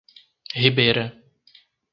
Ribeira